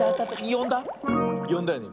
よんだよね？